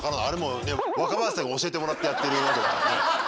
あれもう若林さんに教えてもらってやってる。